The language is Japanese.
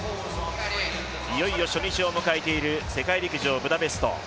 いよいよ初日を迎えている世界陸上ブダペスト。